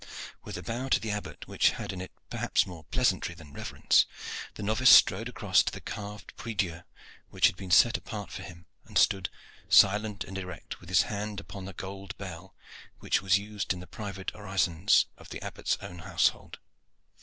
With a bow to the Abbot, which had in it perhaps more pleasantry than reverence, the novice strode across to the carved prie dieu which had been set apart for him, and stood silent and erect with his hand upon the gold bell which was used in the private orisons of the Abbot's own household.